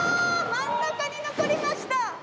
真ん中に残りました。